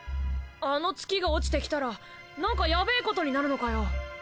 あの月が落ちてきたらなんかヤベェことになるのかよ？